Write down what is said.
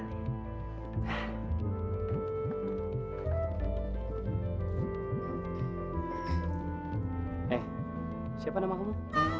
eh siapa namamu